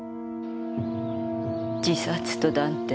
自殺と断定？